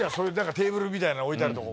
テーブルみたいな置いてあるとこも。